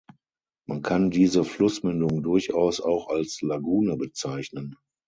Man kann diese Flussmündung durchaus auch als Lagune bezeichnen.